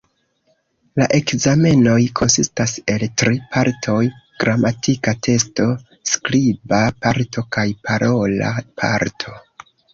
La ekzamenoj konsistas el tri partoj: gramatika testo, skriba parto kaj parola parto.